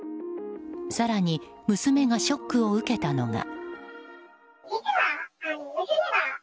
更に娘がショックを受けたのが。